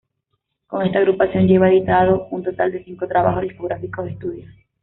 Con esta agrupación, lleva editado un total de cinco trabajos discográficos de estudio.